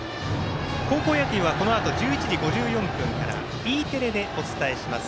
高校野球はこのあと１１時５４分からＥテレでお伝えします。